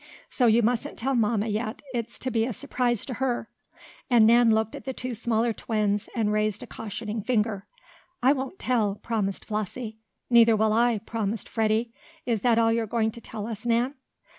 So you mustn't tell mamma yet it's to be a surprise to her," and Nan looked at the two smaller twins, and raised a cautioning finger. "I won't tell," promised Flossie. "Neither will I," promised Freddie. "Is that all you're going to tell us, Nan?"